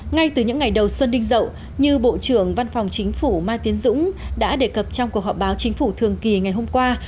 ngay từ những ngày đầu xuân đinh rậu như bộ trưởng văn phòng chính phủ mai tiến dũng đã đề cập trong cuộc họp báo chính phủ thường kỳ ngày hôm qua